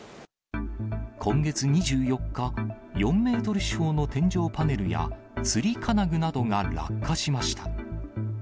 今月２４日、４メートル四方の天井パネルや、つり金具などが落下しました。